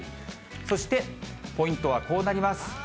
そして、ポイントはこうなります。